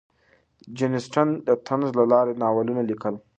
جین اسټن د طنز له لارې ناولونه لیکل.